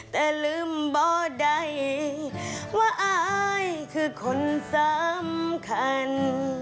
แต่ลืมบ่ใดว่าอายคือคนสำคัญ